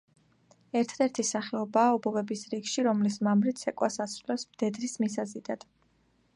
ერთადერთი სახეობაა ობობების რიგში, რომლის მამრი ცეკვას ასრულებს მდედრის მისაზიდად.